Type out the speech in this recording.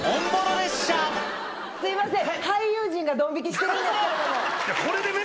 列車すいません。